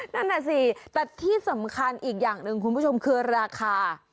นั่นน่ะสิแต่ที่สำคัญอีกอย่างหนึ่งคุณผู้ชมคือราคา